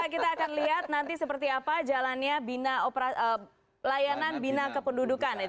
kita akan lihat nanti seperti apa jalannya layanan bina kependudukan